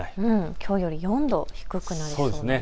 きょうより４度低くなるんですね。